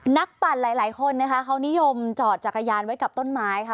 ปั่นหลายหลายคนนะคะเขานิยมจอดจักรยานไว้กับต้นไม้ค่ะ